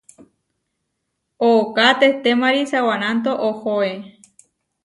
Ooká tehtémari sa wananto oʼhóe.